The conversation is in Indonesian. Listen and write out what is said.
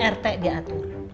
rt dia atur